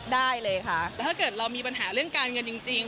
แต่ถ้าเรามีปัญหาเรื่องการเงินจริง